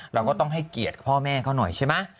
เราก็ต้องให้เกียรติพ่อแม่เขาหน่อยใช่ไหม